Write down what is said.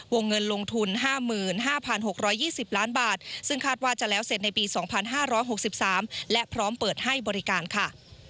วงเงินลงทุน๕๕๖๒๐ล้านบาทซึ่งคาดว่าจะแล้วเสร็จในปี๒๕๖๓และพร้อมเปิดให้บริการค่ะ